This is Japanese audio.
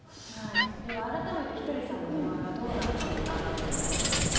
では、改めてひとりさんの電話がどうだったのかということですよね。